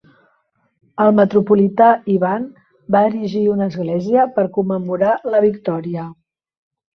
El metropolità Ivan va erigir una església per commemorar la victòria.